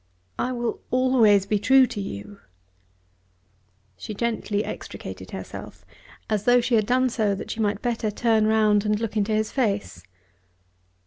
"I will always be true to you." She gently extricated herself, as though she had done so that she might better turn round and look into his face.